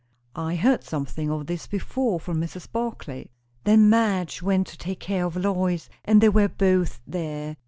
"I heard something of this before from Mrs. Barclay." "Then Madge went to take care of Lois, and they were both there.